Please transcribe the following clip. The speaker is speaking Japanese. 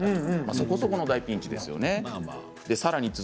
そこそこの大ピンチですね。